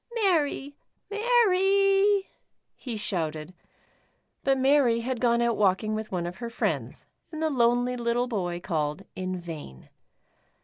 *' Mary, Mary," he shouted, but Mary had gone out walking with one of her friends, and the lonely little boy called in vain.